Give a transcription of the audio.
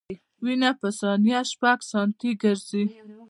وینه په ثانیه شپږ سانتي ګرځي.